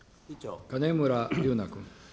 金村龍那君。